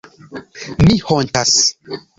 Mi hontas.